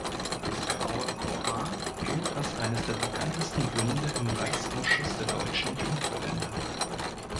Das Graue Corps gilt als eines der bekanntesten Bünde im Reichsausschuss der deutschen Jugendverbände.